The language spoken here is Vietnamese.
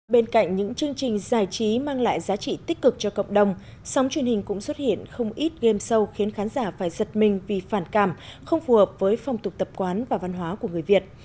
bên cạnh những chương trình giải trí mang lại giá trị tích cực cho cộng đồng sóng truyền hình cũng xuất hiện không ít game show khiến khán giả phải giật mình vì phản cảm không phù hợp với phong tục tập quán và văn hóa của người việt